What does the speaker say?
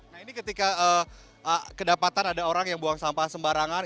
nah ini ketika kedapatan ada orang yang buang sampah sembarangan